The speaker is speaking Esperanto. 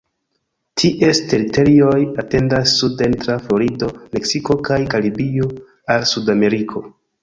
Ties teritorioj etendas suden tra Florido, Meksiko kaj Karibio al Sudameriko.